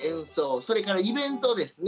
それからイベントですね。